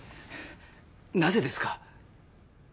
なぜですか？